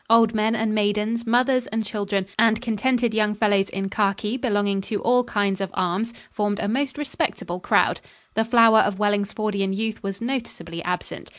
Old men and maidens, mothers and children, and contented young fellows in khaki belonging to all kinds of arms, formed a most respectable crowd. The flower of Wellingsfordian youth was noticeably absent.